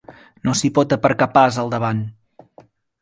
No s'hi pot aparcar pas, al davant.